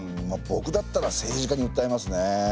ぼくだったら政治家にうったえますね。